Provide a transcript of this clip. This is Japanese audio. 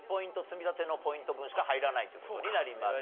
積み立てのポイント分しか入らないという事になります。